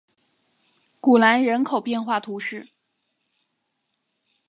古兰人口变化图示